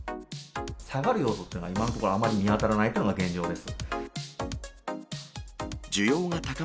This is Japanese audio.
下がる要素っていうのは、今のところあまり見当たらないというのが現状です。